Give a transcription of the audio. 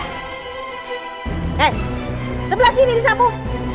hei sebelah sini disapu